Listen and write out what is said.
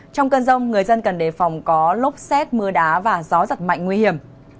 trong cơn rông người dân cần đề phòng có lốc xét mưa đá và gió giật mạnh nguy hiểm